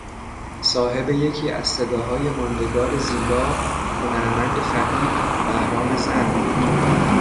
صاحب یکی از صداهای ماندگار زیبا هنرمند فقید بهرام زند بود